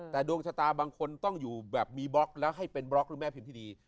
แต่ดวงชะตาบางคนต้องอยู่แบบมีบล็อกแล้วให้เป็นบล็อกหรือแม่พิมพ์ที่ดี